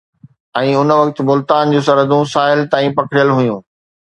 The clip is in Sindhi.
۽ ان وقت ملتان جون سرحدون ساحل تائين پکڙيل هيون